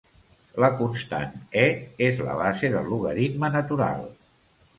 La constant "e" és la base del logaritme natural.